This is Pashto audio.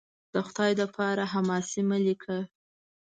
د خدای دپاره! حماسې مه لیکه